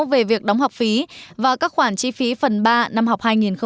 về việc đóng học phí và các khoản chi phí phần ba năm học hai nghìn hai mươi hai nghìn hai mươi